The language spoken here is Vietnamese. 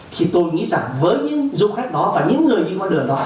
thì tôi nghĩ rằng với những du khách đó và những người đi qua đường đó